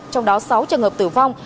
trong đó sáu trường hợp tử vong